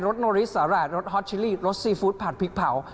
โนริสาหร่ายรสฮอตชิลี่รสซีฟู้ดผัดพริกเผา